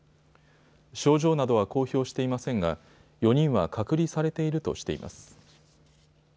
症状などは公表していませんが４人は隔離されているとしています。